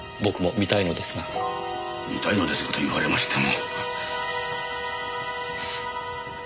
見たいのですがと言われましても。